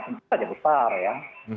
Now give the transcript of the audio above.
itu saja besar ya